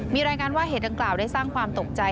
มีรายงานว่าเหตุดังกล่าวได้สร้างความตกใจ